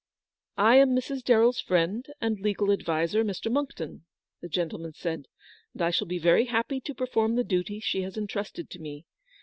" I am Mrs. DarrelFs friend and legal adviser, Mr. Monckton/' the gentleman said, " and I shall be very happy to perform the duty she has entrusted to me.